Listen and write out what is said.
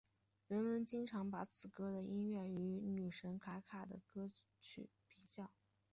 人们经常把此歌的音乐与女神卡卡的歌曲比较。